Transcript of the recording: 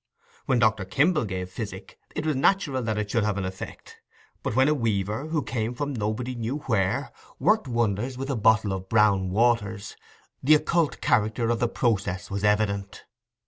When Doctor Kimble gave physic, it was natural that it should have an effect; but when a weaver, who came from nobody knew where, worked wonders with a bottle of brown waters, the occult character of the process was evident.